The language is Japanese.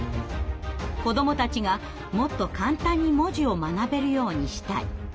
「子どもたちがもっと簡単に文字を学べるようにしたい」。